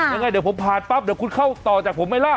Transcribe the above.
ยังไงเดี๋ยวผมผ่านปั๊บเดี๋ยวคุณเข้าต่อจากผมไหมล่ะ